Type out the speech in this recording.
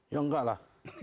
ya enggak lah